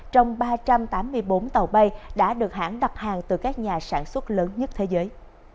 trong ba trăm tám mươi bốn tàu bay đã được hãng đặt hàng từ các nhà sản xuất lớn nhất thế giới